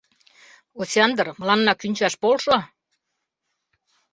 — Осяндр, мыланна кӱнчаш полшо!